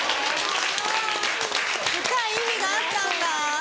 深い意味があったんだ。